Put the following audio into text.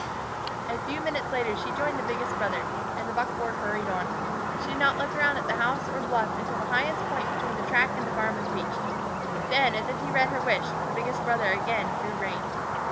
A few minutes later she joined the biggest brother, and the buckboard hurried on. She did not look around at the house or bluff until the highest point between the track and the farm was reached. Then, as if he read her wish, the biggest brother again drew rein.